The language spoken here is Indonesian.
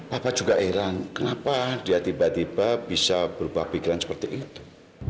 bapak juga heran kenapa dia tiba tiba bisa berubah pikiran seperti itu